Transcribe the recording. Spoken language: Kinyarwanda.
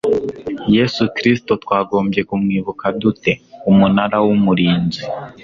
yesu kristo twagombye kumwibuka dute umunara w umurinzi